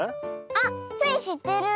あっスイしってる！